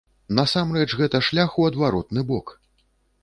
Насамрэч, гэта шлях у адваротны бок.